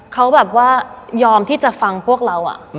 เขาแบบว่ายอมที่จะฟังพวกเรา